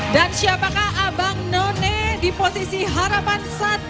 dan siapakah abang none di posisi harapan satu